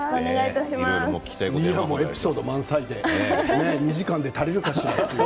エピソード満載で２時間で足りるかしら。